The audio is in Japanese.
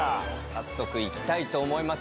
早速いきたいと思います。